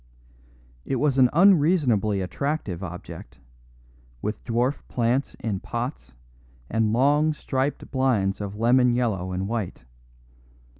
It was an unreasonably attractive object, with dwarf plants in pots and long, striped blinds of lemon yellow and white.